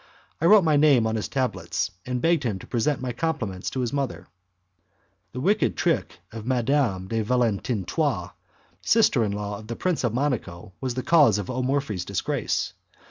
I wrote my name on his tablets, and I begged him to present my compliments to his mother. A wicked trick of Madame de Valentinois, sister in law of the Prince of Monaco, was the cause of O Morphi's disgrace.